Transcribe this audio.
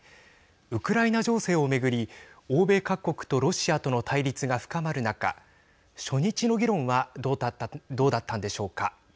ウクライナ情勢を巡り欧米各国とロシアとの対立が深まる中初日の議論はどうだったんでしょうか。